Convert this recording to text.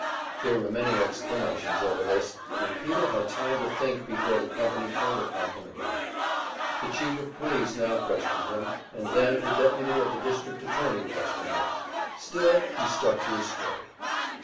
There were many exclamations over this, and Peter had time to think before the company turned upon him again. The Chief of Police now questioned him, and then the deputy of the district attorney questioned him; still he stuck to his story.